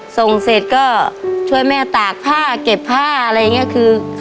ส่งเสร็จก็ช่วยแม่ตากผ้าเก็บผ้าอะไรอย่างนี้คือ